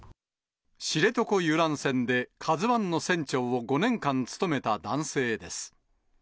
知床遊覧船でカズワンの船長を５年間務めた男性です。